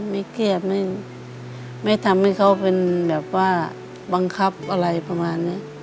ไม่เครียดไม่ทำให้เขาเป็นแบบว่าบังคับอะไรประมาณนี้